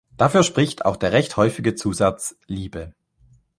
Dafür spricht auch der recht häufige Zusatz „Liebe“.